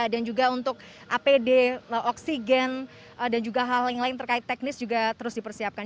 dan juga untuk apd oksigen dan juga hal lain lain terkait teknis juga terus dipersiapkan